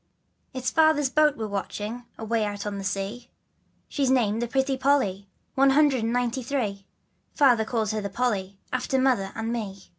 /TS Father's boat we're watching, Away out on the sea, She's named the Pretty Polly, One hundred and ninety three, Father called her the Polly, After Mother and me.